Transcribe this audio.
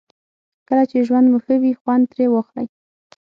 کله چې ژوند مو ښه وي خوند ترې واخلئ.